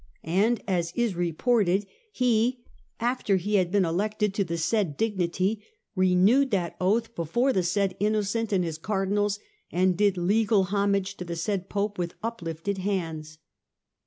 And, as 236 STUPOR MUNDI is reported, he, after he had been elected to the said dignity, renewed that oath before the said Innocent and his Cardinals and did legal homage to the said Pope with uplifted hands.